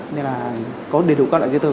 nên là có đầy đủ các loại giấy tờ